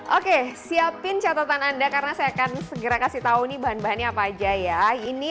oke siapin catatan anda karena saya akan segera kasih tahu nih bahan bahannya apa aja ya ini